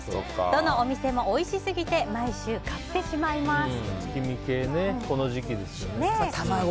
どのお店もおいしすぎて毎週買ってしまいます。